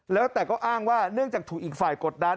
แล้วแต่ก็อ้างว่าเนื่องจากถูกอีกฝ่ายกดดัน